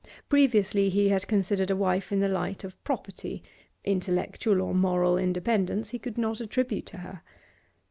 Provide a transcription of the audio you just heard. Previously he had considered a wife in the light of property; intellectual or moral independence he could not attribute to her.